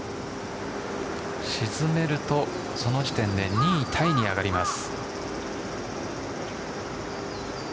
沈めると、その時点で２位タイに上がります。